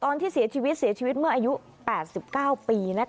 ตอนที่เสียชีวิตเสียชีวิตเมื่ออายุ๘๙ปี